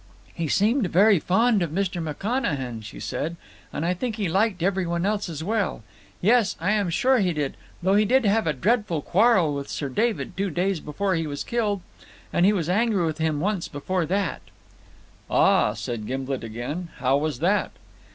"He seemed very fond of Mr. McConachan," she said, "and I think he liked every one else as well. Yes, I am sure he did, though he did have a dreadful quarrel with Sir David two days before he was killed; and he was angry with him once before that." "Ah," said Gimblet again. "How was that?"